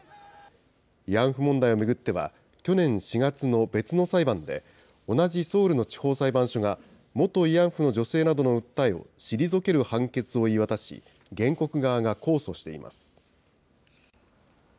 慰安婦問題を巡っては、去年４月の別の裁判で、同じソウルの地方裁判所が元慰安婦の女性などの訴えを退ける判決を言い渡し、原告側が控訴しています。